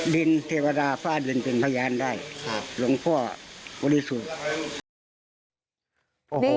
ดินเทวดาฟ้าดินเป็นพยานได้ครับหลวงพ่อบริสุทธิ์